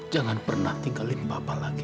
jangan pernah tinggalin papa lagi